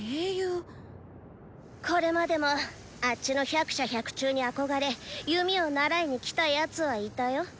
これまでもあッチの「百射百中」に憧れ弓を習いに来たヤツはいたよ。